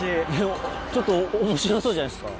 ちょっと面白そうじゃないですか。